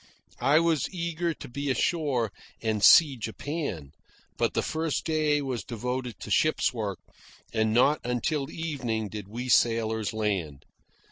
I was eager to be ashore and see Japan, but the first day was devoted to ship's work, and not until evening did we sailors land.